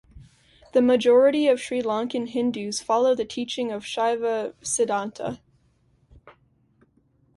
The majority of Sri Lankan Hindus follow the teaching of Shaiva Siddhanta.